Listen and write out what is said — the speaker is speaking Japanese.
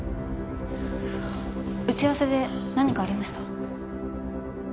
打ち合わせで何かありました？